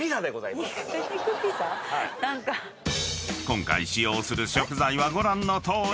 ［今回使用する食材はご覧のとおり］